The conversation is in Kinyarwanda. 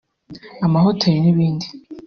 amahoteli n’ibindi